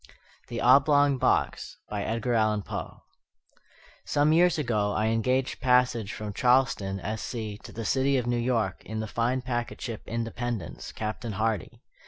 THE OBLONG BOX EDGAR ALLAN POE Some years ago I engaged passage from Charleston, S. C., to the city of New York, in the fine packet ship Independence, Captain Hardy.